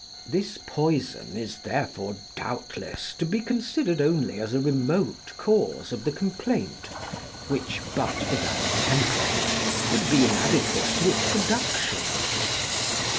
This poison is therefore, doubtless, to be considered only as a remote cause of the complaint, which, but for that temperament, would be inadequate to its production.